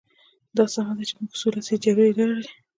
دا سمه ده چې موږ څو لسیزې جګړې لرلې.